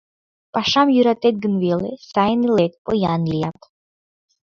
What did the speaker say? — Пашам йӧратет гын веле, сайын илет, поян лият.